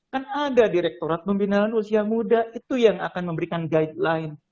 kan ada direktorat pembinaan usia muda itu yang akan memberikan guideline